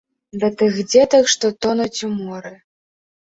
Да тых дзетак, што тонуць у моры.